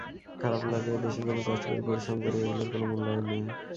খারাপ লাগে দেশের জন্য কষ্ট করি, পরিশ্রম করি, এগুলোর কোনো মূল্যায়ন নেই।